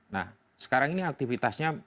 nah sekarang ini aktivitasnya